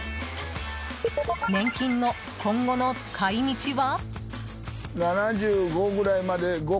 年金の今後の使い道は？